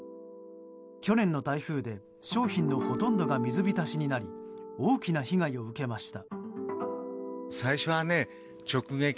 去年の台風で商品のほとんどが水浸しになり大きな被害を受けました。